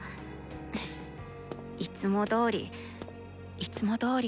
ふ。いつもどおりいつもどおりかあ。